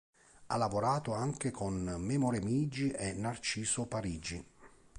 Ha lavorato anche con Memo Remigi e Narciso Parigi.